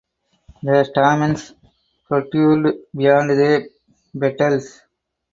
The stamens protrude beyond the petals.